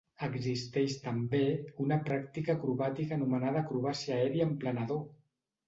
Existeix també una pràctica acrobàtica anomenada acrobàcia aèria en planador!